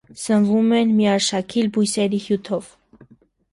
Սնվում են միաշաքիլ բույսերի հյութով։